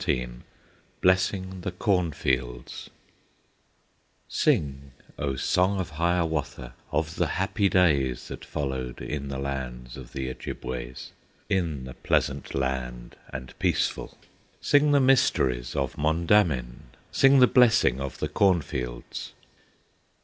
XIII Blessing the Cornfields Sing, O Song of Hiawatha, Of the happy days that followed, In the land of the Ojibways, In the pleasant land and peaceful! Sing the mysteries of Mondamin, Sing the Blessing of the Cornfields!